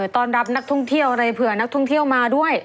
ต้อนรับนักท่องเที่ยวอะไรเผื่อนักท่องเที่ยวมาด้วย